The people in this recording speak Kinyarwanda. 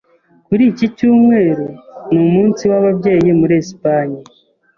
Kuri iki cyumweru ni umunsi w’ababyeyi muri Espagne.